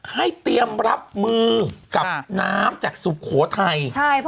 เตรียมรับมือกับน้ำจากสุโขทัย